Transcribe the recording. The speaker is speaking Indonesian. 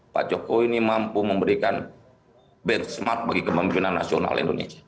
pak jokowi ini mampu memberikan benchmark bagi kemimpinan nasional indonesia